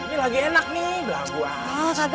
ini lagi enak nih bilang gua aja